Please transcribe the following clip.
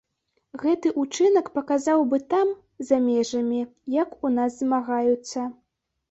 Гэты ўчынак паказаў бы там, за межамі, як у нас змагаюцца.